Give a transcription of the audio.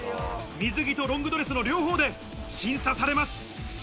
水着とロングドレスの両方で審査されます。